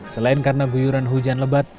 selain karena guyuran hujan lebat